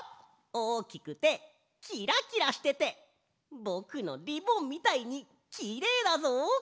おおきくてキラキラしててぼくのリボンみたいにきれいだぞ！